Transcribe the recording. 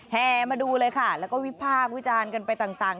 แห่มาดูเลยค่ะแล้วก็วิพากษ์วิจารณ์กันไปต่าง